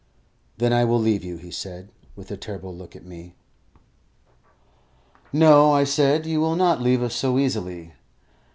"Then I will leave you," he said, with a terrible look at me. "No," I said; "you will not leave us so easily.